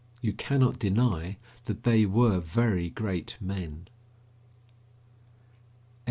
You cannot deny that they were very great men.